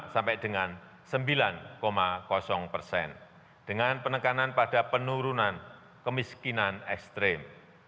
delapan lima sampai dengan sembilan persen dengan penekanan pada penurunan kemiskinan ekstrem